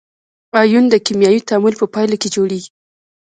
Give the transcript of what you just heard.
ایون د کیمیاوي تعامل په پایله کې جوړیږي.